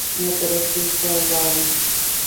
مدرسې ته ولاړم.